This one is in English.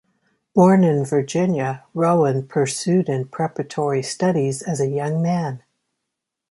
Born in Virginia, Roane pursued in preparatory studies as a young man.